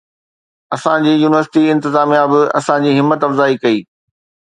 اسان جي يونيورسٽي انتظاميا به اسان جي همت افزائي ڪئي